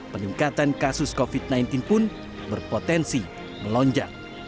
peningkatan kasus covid sembilan belas pun berpotensi melonjak